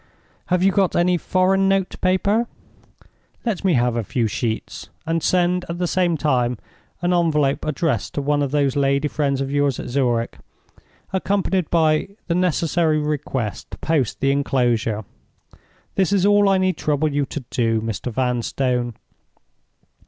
Have you got any foreign note paper? Let me have a few sheets, and send, at the same time, an envelope addressed to one of those lady friends of yours at Zurich, accompanied by the necessary request to post the inclosure. This is all I need trouble you to do, Mr. Vanstone.